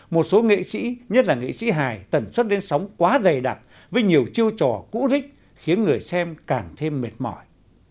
một số nghệ sĩ nhất là nghệ sĩ hài tẩn xuất đến sóng quá dày đặc với nhiều chiêu trò cũ rích khiến người xem càng thêm mệt mỏi